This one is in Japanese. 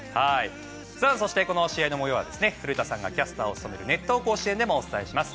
そして、この試合の模様は古田さんがキャスターを務める「熱闘甲子園」でもお伝えします。